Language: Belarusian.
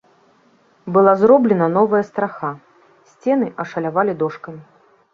Была зроблена новая страха, сцены ашалявалі дошкамі.